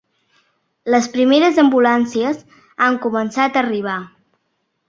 Les primeres ambulàncies han començat a arribar.